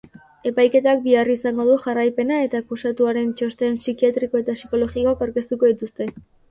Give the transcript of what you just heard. Epaiketak bihar izango du jarraipena eta akusatuaren txosten psikiatriko eta psikologikoak aurkeztuko dituzte.